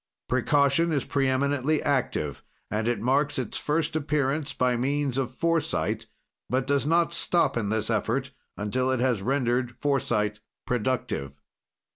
"Precaution is preeminently active, and it marks its first appearance by means of foresight, but does not stop in this effort until it has rendered foresight productive.